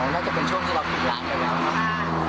น่าจะเป็นช่วงที่เราพิกราชแล้วนะ